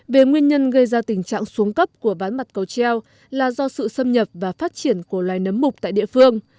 về nguyên nhân gây ra tình trạng xuống cấp của ván mặt cầu treo là do sự xâm nhập và phát triển của loài nấm mục tại địa phương